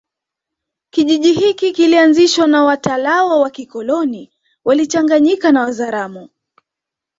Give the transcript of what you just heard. Kijiji hiki kilianzishwa na watalawa wa kikoloni walichanganyika na Wazaramo